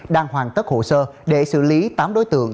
đang hoàn tất hồ sơ để xử lý tám đối tượng